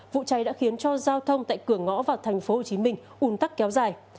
vụ cháy đã khiến cho giao thông tại cửa ngõ vào tp hcm ùn tắc kéo dài